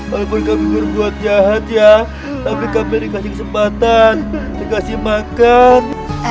walaupun kami berbuat jahat ya tapi kami dikasih kesempatan dikasih makan